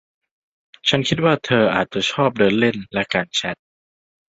ฉันคิดว่าเธออาจจะชอบเดินเล่นและการแชท